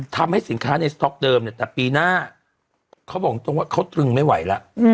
ทำให้สินค้าในสต๊อกเดิมเนี่ยแต่ปีหน้าเขาบอกตรงว่าเขาตรึงไม่ไหวแล้ว